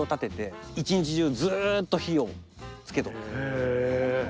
へえ。